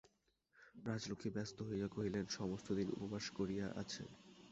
রাজলক্ষ্মী ব্যস্ত হইয়া কহিলেন, সমস্ত দিন উপবাস করিয়া আছে!